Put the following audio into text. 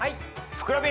ふくらＰ。